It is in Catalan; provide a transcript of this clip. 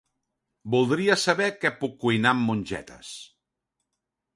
Voldria saber què puc cuinar amb mongetes.